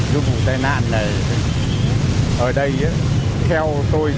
lúc vụ tàn nạn ở đây theo tôi